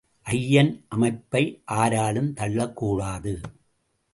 ஐயன் அமைப்பை ஆராலும் தள்ளக் கூடாது.